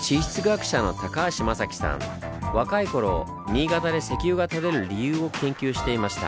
若い頃新潟で石油が採れる理由を研究していました。